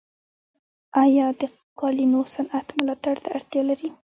آیا د قالینو صنعت ملاتړ ته اړتیا لري؟